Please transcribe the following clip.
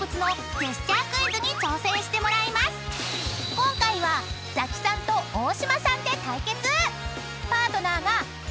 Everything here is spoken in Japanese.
［今回はザキさんと大島さんで対決！］